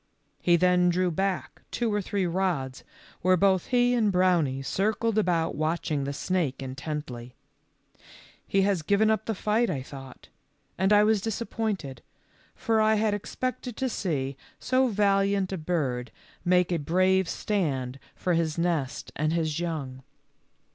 He then drew back two or three rods, where both he and Brownie circled about watching the snake intently. He has given up the fight, I thought, and I was disappointed, for I had expected to see so valiant a bird make 50 THE LITTLE FORESTERS. a brave stand for his nest and his young.